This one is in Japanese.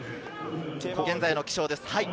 現在の気象です。